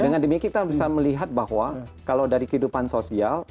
dengan demikian kita bisa melihat bahwa kalau dari kehidupan sosial